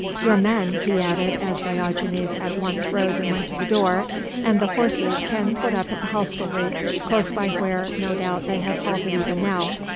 Your men," he added, as Diogenes at once rose and went to the door, "and the horses can put up at the hostelry close by where no doubt they have halted even now."